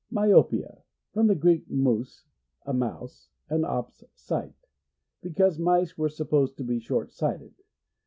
Myopia. — From the Greek, 7nus, a mouse, and ops, sight. Because mice were supposed to be short sighted.